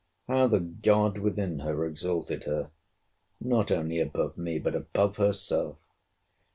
How the God within her exalted her, not only above me, but above herself!